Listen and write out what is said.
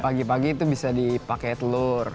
pagi pagi itu bisa dipakai telur